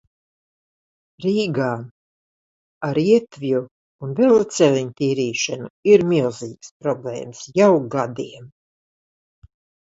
Rīgā ar ietvju un veloceliņu tīrīšanu ir milzīgas problēmas jau gadiem.